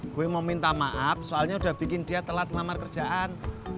gue mau minta maaf soalnya udah bikin dia telat melamar kerjaan